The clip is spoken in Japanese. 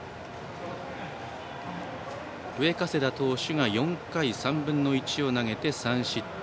上加世田投手が４回３分の１を投げて３失点。